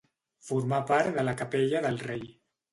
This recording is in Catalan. Formar part de la capella del rei.